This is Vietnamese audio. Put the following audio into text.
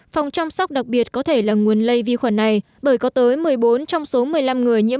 phòng chăm sóc đặc biệt có thể là nguồn lây vi khuẩn này bởi có tới một mươi bốn trong số một mươi năm người nhiễm